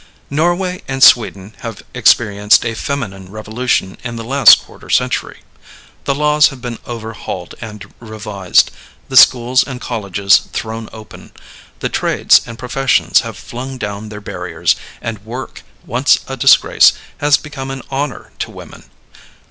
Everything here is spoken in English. Norway and Sweden have experienced a feminine revolution in the last quarter century. The laws have been overhauled and revised; the schools and colleges thrown open; the trades and professions have flung down their barriers; and work, once a disgrace, has become an honor to women.